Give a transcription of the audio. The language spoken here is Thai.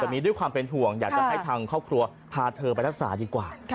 แต่มีด้วยความเป็นห่วงอยากจะให้ทางครอบครัวพาเธอไปรักษาดีกว่า